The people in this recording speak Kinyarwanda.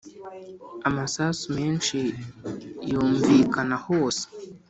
amasasu menshi yumvikana hose,